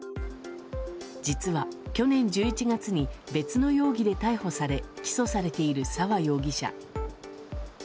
実は、去年１１月に別の容疑で逮捕され起訴されている沢容疑者。